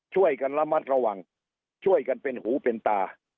ช่วยกันระมัดระวังช่วยกันเป็นหูเป็นตา